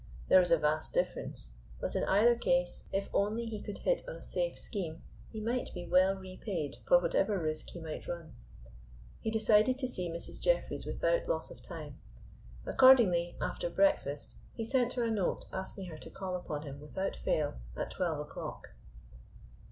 There was a vast difference, but in either case, if only he could hit on a safe scheme, he would be well repaid for whatever risk he might run. He decided to see Mrs. Jeffreys without loss of time. Accordingly, after breakfast, he sent her a note asking her to call upon him, without fail, at twelve o'clock.